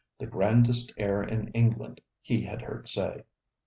The grandest air in England, he had heard say.